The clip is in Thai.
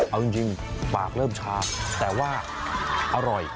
เอาจริงปากเริ่มชาแต่ว่าอร่อย